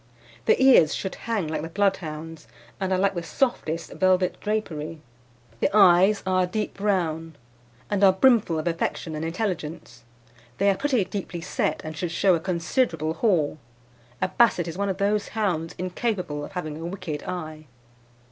"The ears should hang like the Bloodhound's, and are like the softest velvet drapery. "The eyes are a deep brown, and are brimful of affection and intelligence. They are pretty deeply set, and should show a considerable haw. A Basset is one of those hounds incapable of having a wicked eye.